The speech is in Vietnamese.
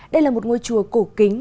đây là một ngôi chùa cổ kính